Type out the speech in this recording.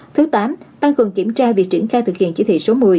thứ tám tăng cường kiểm tra việc triển khai thực hiện chỉ thị số một mươi